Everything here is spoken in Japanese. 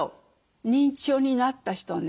認知症になった人ね。